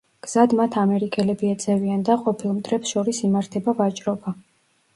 გზად მათ ამერიკელები ეწევიან და ყოფილ მტრებს შორის იმართება ვაჭრობა.